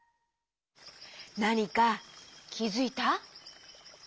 なにかきづいた？